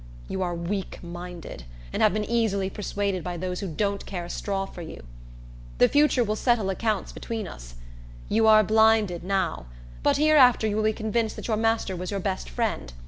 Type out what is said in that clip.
You are weak minded, and have been easily persuaded by those who don't care a straw for you. The future will settle accounts between us. You are blinded now; but hereafter you will be convinced that your master was your best friend.